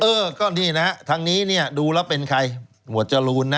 เออก็นี่นะฮะทางนี้เนี่ยดูแล้วเป็นใครหมวดจรูนนะ